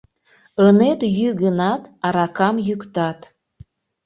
Ынет йӱ гынат, аракам йӱктат...